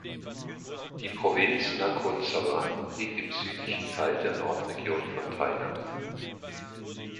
Die Provinz Nakhon Sawan liegt im südlichen Teil der Nordregion von Thailand.